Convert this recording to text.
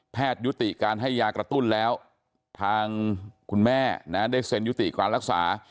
ยุติการให้ยากระตุ้นแล้วทางคุณแม่ได้เซ็นยุติการรักษา